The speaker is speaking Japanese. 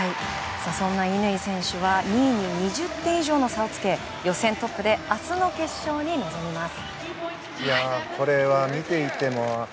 そんな乾選手は２位に２０点以上の差をつけ予選トップで明日の決勝に臨みます。